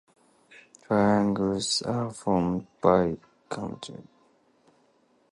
Triglycerides are formed by combining glycerol with three fatty acid molecules.